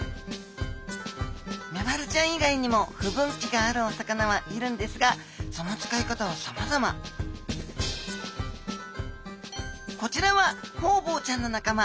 メバルちゃん以外にも不分岐があるお魚はいるんですがその使い方はさまざまこちらはホウボウちゃんの仲間